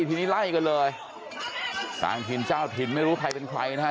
ทีนี้ไล่กันเลยต่างถิ่นเจ้าถิ่นไม่รู้ใครเป็นใครนะฮะ